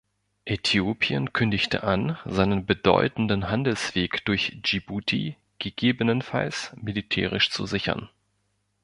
Äthiopien kündigte an, seinen bedeutenden Handelsweg durch Dschibuti gegebenenfalls militärisch zu sichern.